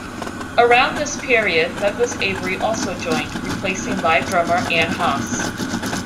Around this period, Douglas Avery also joined, replacing live drummer Ian Haas.